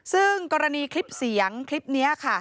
ซึ่งกรณีคลิปเสียงคลิปนี้ค่ะ